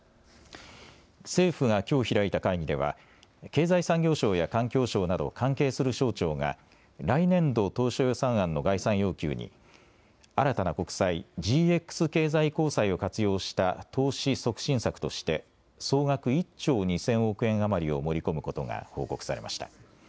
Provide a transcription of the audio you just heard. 政府がきょう開いた会議では経済産業省や環境省など関係する省庁が来年度当初予算案の概算要求に新たな国債、ＧＸ経済移行債を活用した投資促進策として総額１兆２０００億円余りを盛り込むことが報告されました。